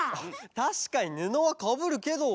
たしかにぬのはかぶるけど。